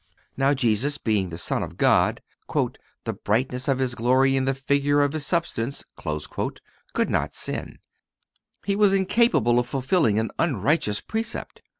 Now Jesus being the Son of God, "the brightness of His glory and the figure of His substance,"(272) could not sin. He was incapable of fulfilling an unrighteous precept.